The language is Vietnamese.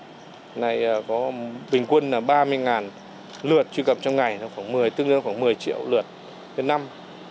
hiện nay có bình quân ba mươi lượt truy cập trong ngày tương đương khoảng một mươi triệu lượt trên năm